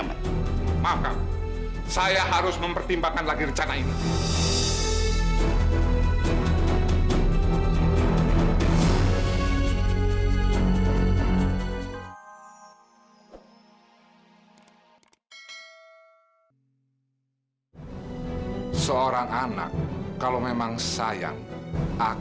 sampai jumpa di video selanjutnya